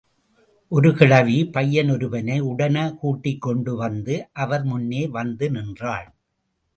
ஒருகிழவி பையன் ஒருவனை உடனகூட்டிக் கொண்டு வந்து அவர் முன்னே வந்து நின்றாள்.